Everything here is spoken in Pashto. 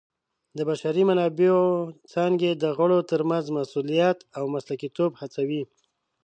د بشري منابعو څانګې د غړو ترمنځ مسؤلیت او مسلکیتوب هڅوي.